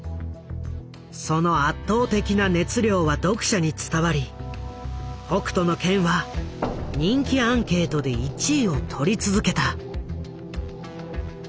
その圧倒的な熱量は読者に伝わり「北斗の拳」は人気アンケートで１位をとり続けた。